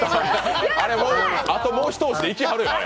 あともう一押しでいきはるよ。